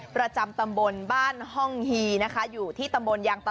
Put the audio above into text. ประจำตำบลบ้านห้องฮีนะคะอยู่ที่ตำบลยางต่อ